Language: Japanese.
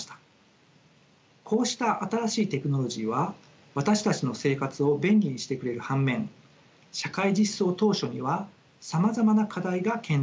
こうした新しいテクノロジーは私たちの生活を便利にしてくれる反面社会実装当初にはさまざまな課題が顕在化します。